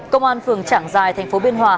công an phường trảng giài tp biên hòa